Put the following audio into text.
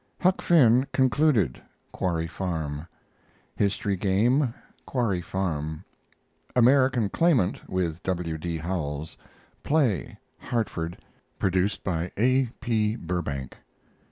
HUCK FINN concluded (Quarry Farm). HISTORY GAME (Quarry Farm). AMERICAN CLAIMANT (with W. D. Howells) play (Hartford), produced by A. P. Burbank.